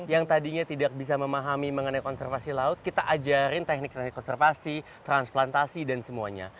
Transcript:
yang tadinya tidak bisa memahami mengenai konservasi laut kita ajarin teknik teknik konservasi transplantasi dan semuanya